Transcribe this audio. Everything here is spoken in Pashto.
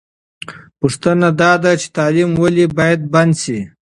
پوښتنه دا ده چې تعلیم ولې باید بند سي؟